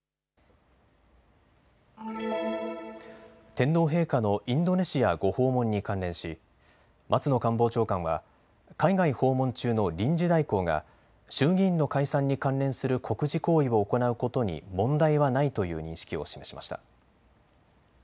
天皇陛下のインドネシアご訪問に関連し、松野官房長官は海外訪問中の臨時代行が衆議院の解散に関連する国事行為を行うことに問題はないという認識を示しました。